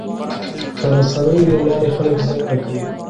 د رسنیو له لارې خلک زدهکړه کوي.